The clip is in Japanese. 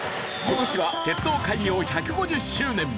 今年は鉄道開業１５０周年。